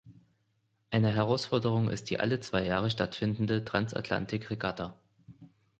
Eine Herausforderung ist die alle zwei Jahre stattfindende Trans-Atlantik-Regatta.